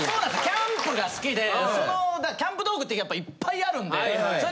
キャンプが好きでそのだからキャンプ道具ってやっぱいっぱいあるんでそれ